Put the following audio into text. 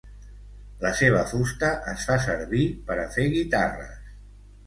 La seva fusta es fa servir per a fer guitarres.